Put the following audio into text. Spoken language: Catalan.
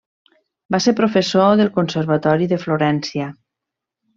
Va ser professor del Conservatori de Florència.